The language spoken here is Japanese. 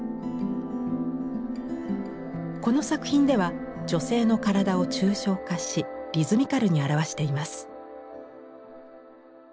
この作品では女性の体を抽象化しリズミカルに表しています。